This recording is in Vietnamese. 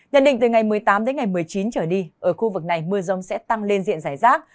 nhận định từ ngày một mươi tám đến ngày một mươi chín trở đi ở khu vực này mưa rông sẽ tăng lên diện giải rác